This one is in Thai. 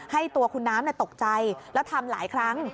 ให้ตัวคุณน้ำตกใจแล้วทำหลายครั้ง